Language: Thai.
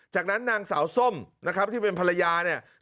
จากนั้นนางสาวส้มนะครับที่เป็นภรรยาเนี่ย